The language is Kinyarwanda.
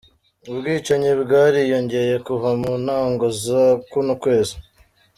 Ubwicanyi bwariyongeye kuva mu ntango za kuno kwezi.